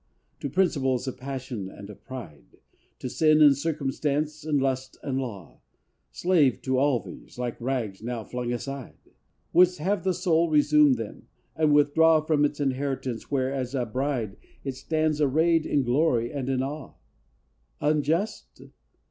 To principles of passion and of pride; To sin and circumstance and lust and law! Slave to all these, like rags now flung aside! Wouldst have the soul resume them, and withdraw From its inheritance, where, as a bride, It stands arrayed in glory and in awe? "Unjust"?